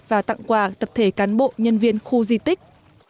và tặng quà tập thể cán bộ nhân viên khu di tích